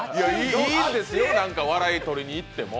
いいんですよ、笑いとりにいっても。